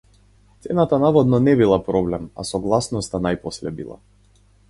Цената наводно не била проблем, а согласноста најпосле била.